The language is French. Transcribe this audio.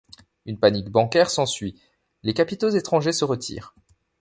Une panique bancaire s'ensuit, les capitaux étrangers se retirent.